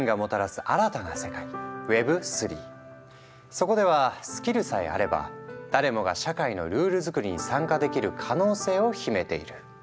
そこではスキルさえあれば誰もが社会のルール作りに参加できる可能性を秘めている。